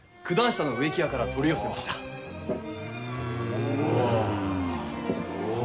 おお！